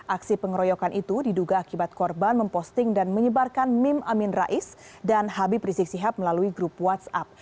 aksi pengeroyokan itu diduga akibat korban memposting dan menyebarkan meme amin rais dan habib rizik sihab melalui grup whatsapp